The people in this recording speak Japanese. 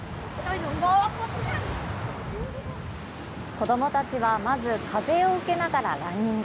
子どもたちはまず風を受けながらランニング。